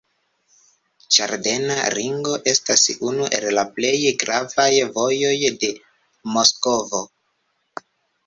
Ĝardena ringo estas unu el plej gravaj vojoj de Moskvo.